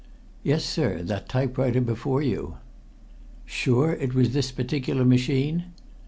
"Yes, sir, that typewriter before you." "Sure it was this particular machine?"